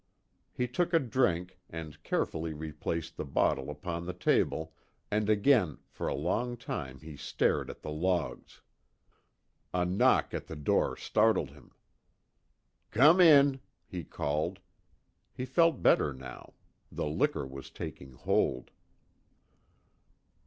He took a drink, and carefully replaced the bottle upon the table, and again for a long time he stared at the logs. A knock on the door startled him. "Come in," he called. He felt better now. The liquor was taking hold.